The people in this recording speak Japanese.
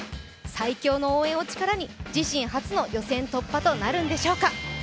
最強の応援を力に自身初の予選突破となるのでしょうか？